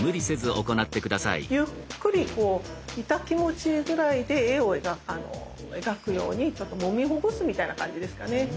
ゆっくりイタ気持ちいいぐらいで円を描くようにちょっともみほぐすみたいな感じですかね。